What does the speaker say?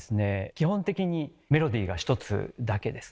基本的にメロディーが１つだけです。